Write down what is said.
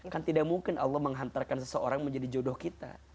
kan tidak mungkin allah menghantarkan seseorang menjadi jodoh kita